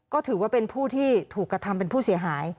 ก็ถือว่าเป็นผู้ที่ถูกกระทำเป็นผู้เสียหาย